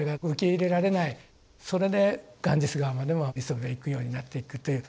それでガンジス河までも磯辺は行くようになっていくという。